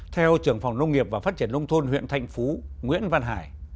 theo trưởng phòng nông nghiệp và phát triển nông thôn huyện thạnh phú nguyễn văn hải